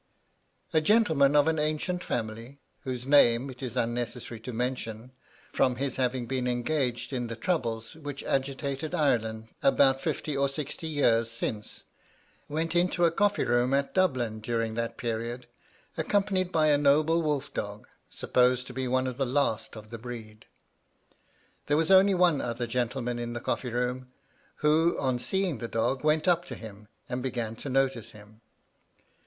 A gentleman of an ancient family, whose name it is unnecessary to mention, from his having been engaged in the troubles which agitated Ireland about fifty or sixty years since, went into a coffee room at Dublin during that period, accompanied by a noble wolf dog, supposed to be one of the last of the breed. There was only one other gentleman in the coffee room, who, on seeing the dog, went up to him, and began to notice him.